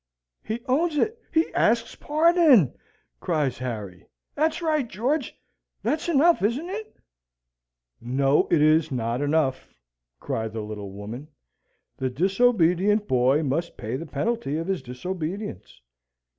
"He owns it! He asks pardon!" cries Harry. "That's right, George! That's enough: isn't it?" "No, it is not enough!" cried the little woman. "The disobedient boy must pay the penalty of his disobedience.